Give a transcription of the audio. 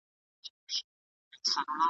د خپل ګران وجود په وینو لویوي یې .